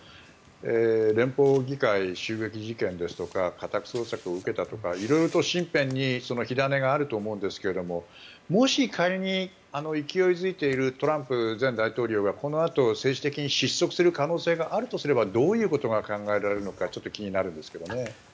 連邦議会襲撃事件ですとか家宅捜索を受けたとか色々と身辺に火種があると思うんですけどももし、仮に勢い付いているトランプ前大統領がこのあと政治的に失速する可能性があるとすればどういうことが考えられるのかちょっと気になるんですけどね。